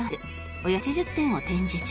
およそ８０点を展示中。